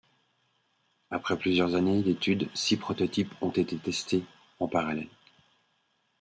Après plusieurs années d'études, six prototypes ont été testés en parallèle.